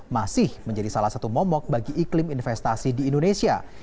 masih menjadi salah satu momok bagi iklim investasi di indonesia